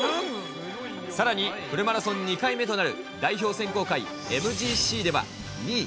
さらに、フルマラソン２回目となる代表選考会、ＭＧＣでは２位。